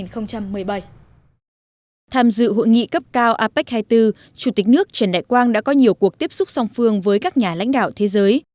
tham dự hội nghị cấp cao apec hai mươi bốn chủ tịch nước trần đại quang đã có nhiều cuộc tiếp xúc song phương với các nhà lãnh đạo thế giới